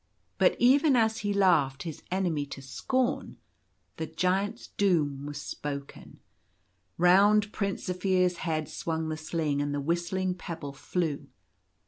But even as he laughed his enemy to scorn, the Giant's doom was spoken. Round Prince Zaphir's head swung the sling, and the whistling pebble flew.